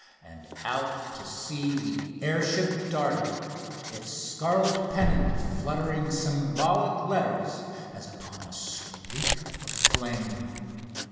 And out to sea the air ship darted, its scarlet pennant fluttering symbolic letters as upon a streak of flame.